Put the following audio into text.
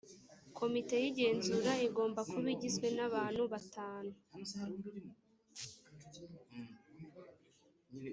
komite y’igenzura igomba kuba igizwe n abantu batanu